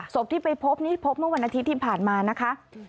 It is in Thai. ศพที่ไปพบนี้พบเมื่อวันอาทิตย์ที่ผ่านมานะคะ